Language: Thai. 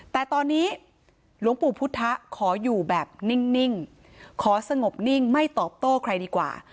แต่ตอนนี้หลวงปู่พุทธะขออยู่แบบนิ่งขอสงบนิ่งไม่ตอบโต้ใครดีกว่า